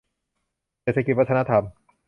เศรษฐกิจวัฒนธรรม